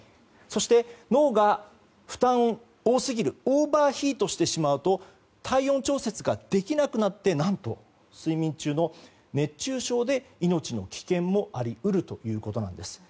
そして、脳の負担が多すぎるオーバーヒートしてしまうと体温調節ができなくなって何と、睡眠中の熱中症で命の危険もあり得るということです。